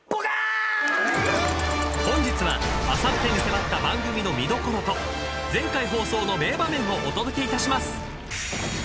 ［本日はあさってに迫った番組の見どころと前回放送の名場面をお届けいたします］